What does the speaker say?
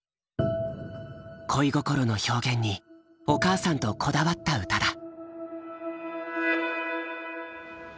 恋心の表現にお母さんとこだわった歌だ。